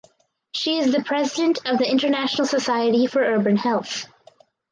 She is the President of the International Society for Urban Health.